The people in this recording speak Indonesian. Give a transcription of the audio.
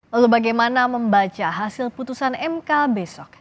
lalu bagaimana membaca hasil putusan mk besok